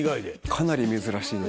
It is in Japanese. かなり珍しいです。